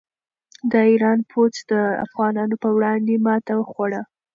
د ایران پوځ د افغانانو په وړاندې ماته وخوړه.